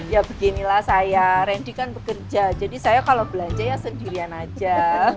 ya beginilah saya randy kan bekerja jadi saya kalau belanja ya sendirian aja